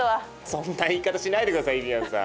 そんな言い方しないで下さいゆりやんさん。